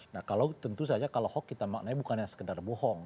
nah kalau tentu saja kalau hoax kita maknanya bukannya sekedar bohong